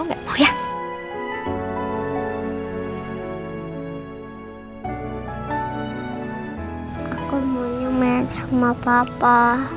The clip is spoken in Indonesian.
aku mau nyome sama papa